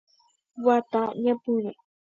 Guata Ñepyrũ.